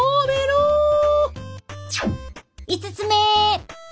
５つ目！